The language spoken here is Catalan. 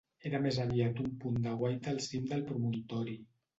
Era més aviat un punt de guaita al cim del promontori.